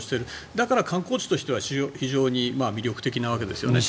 だから観光地としては非常に魅力的なわけですね。